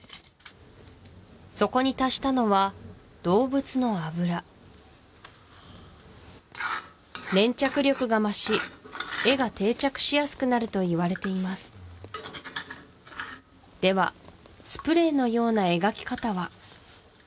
そこに足したのは粘着力が増し絵が定着しやすくなるといわれていますではスプレーのような描き方は？